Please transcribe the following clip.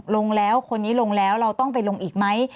ลงแล้วคนนี้ลงแล้วเราต้องไปลงอีกไหม